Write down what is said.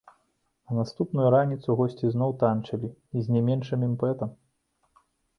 На наступную раніцу госці зноў танчылі, і з не меншым імпэтам!